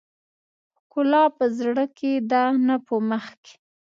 ښکلا په زړه کې ده نه په مخ کې .